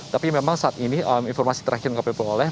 tapi memang saat ini informasi terakhir yang dapat diperoleh